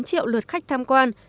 bốn triệu lượt khách tham quan